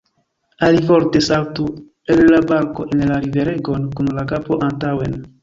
Alivorte: saltu el la barko en la riveregon, kun la kapo antaŭen!